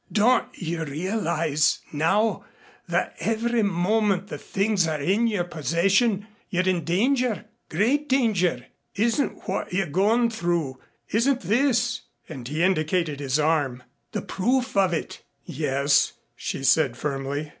"Don't you realize now that every moment the things are in your possession you're in danger great danger? Isn't what you've gone through isn't this" and he indicated his arm "the proof of it?" "Yes," she said firmly.